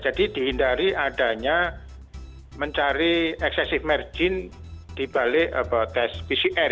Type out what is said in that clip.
jadi dihindari adanya mencari eksesif margin dibalik tes pcr